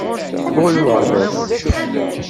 Tḍul lɣerba-s.